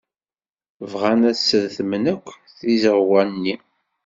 Bɣan ad sretmen akk tizeɣwa-nni.